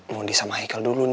mau disama michael dulu